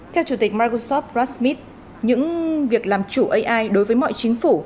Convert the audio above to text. theo chủ tịch microsoft ross smith những việc làm chủ ai đối với mọi chính phủ